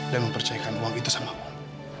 dan mempercayakan uang itu sama om